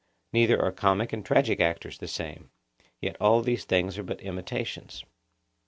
Neither are comic and tragic actors the same; yet all these things are but imitations.